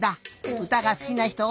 うたがすきなひと？